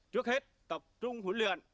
trước hết tập trung huấn luyện